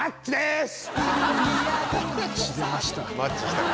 「マッチしたか」